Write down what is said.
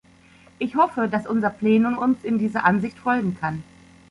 Ich hoffe, dass unser Plenum uns in dieser Ansicht folgen kann.